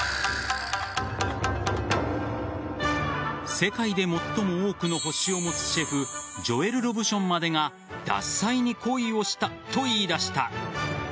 世界で最も多くの星を持つシェフジョエル・ロブションまでが獺祭に恋をしたと言い出した。